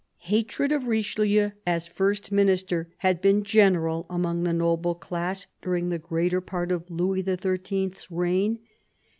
Hatred of Richelieu as First Minister had been general among the noble class during the greater part of Louis XIII. 's reign.